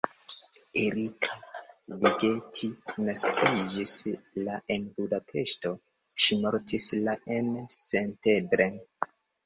Erika Ligeti naskiĝis la en Budapeŝto, ŝi mortis la en Szentendre.